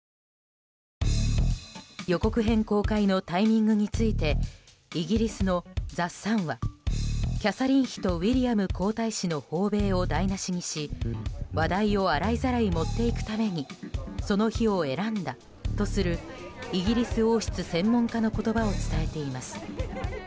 予告編公開のタイミングについてイギリスのザ・サンはキャサリン妃とウィリアム皇太子の訪米を台なしにし、話題を洗いざらい持っていくためにその日を選んだとするイギリス王室専門家の言葉を伝えています。